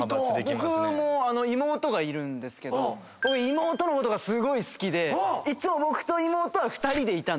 僕も妹がいるんですけど僕妹のことがすごい好きでいっつも僕と妹は２人でいた。